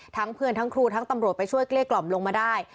เพื่อนทั้งครูทั้งตำรวจไปช่วยเกลี้ยกล่อมลงมาได้